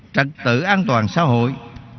trật tự an toàn xã hội